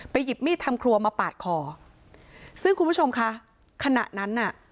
หยิบมีดทำครัวมาปาดคอซึ่งคุณผู้ชมคะขณะนั้นน่ะ